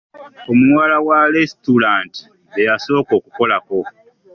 Omuwala wa lesitulanta be yasooka okukolako.